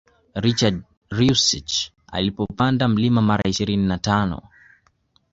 Richard reusch alipopanda mlima mara ishirini na tano